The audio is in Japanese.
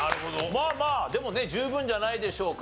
まあまあでもね十分じゃないでしょうか。